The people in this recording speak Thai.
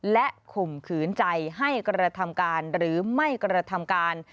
และข่มขืนใจให้กระทำการหรือไม่กระทำการ